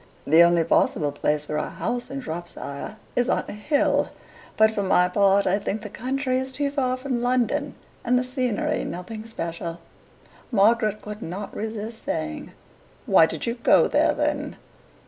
The only possible place for a house in Shropshire is on a hill; but, for my part, I think the country is too far from London, and the scenery nothing special. " Margaret could not resist saying, "Why did you go there, then?"